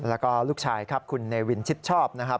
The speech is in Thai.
แล้วก็ลูกชายครับคุณเนวินชิดชอบนะครับ